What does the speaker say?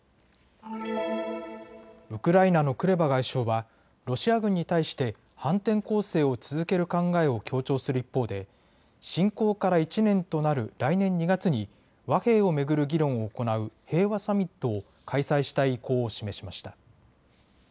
ウクライナのクレバ外相はロシア軍に対して反転攻勢を続ける考えを強調する一方で侵攻から１年となる来年２月に和平を巡る議論を行う平和サミットを開催したい意向を示しました。